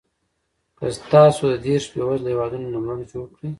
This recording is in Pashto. که تاسو د دېرش بېوزلو هېوادونو نوملړ جوړ کړئ.